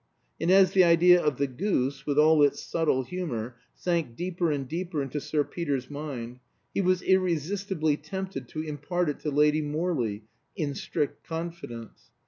And as the idea of the goose, with all its subtle humor, sank deeper and deeper into Sir Peter's mind, he was irresistibly tempted to impart it to Lady Morley (in strict confidence).